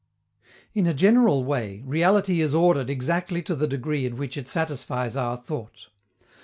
In a general way, reality is ordered exactly to the degree in which it satisfies our thought.